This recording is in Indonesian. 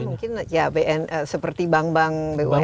dan juga mungkin seperti bank bank bumn